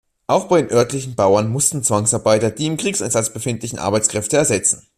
Auch bei den örtlichen Bauern mussten Zwangsarbeiter die im Kriegseinsatz befindlichen Arbeitskräfte ersetzen.